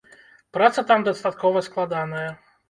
Праца там дастаткова складаная.